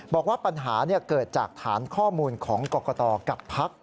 บอกว่าปัญหาเกิดจากฐานข้อมูลของกรกตกับพัก